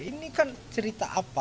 ini kan cerita apa